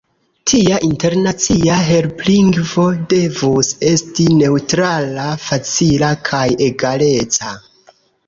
Tia internacia helplingvo devus esti neŭtrala, facila kaj egaleca.